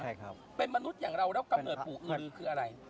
ใช่ครับเป็นมนุษย์อย่างเราแล้วกำเนิดปู่อือลือคืออะไร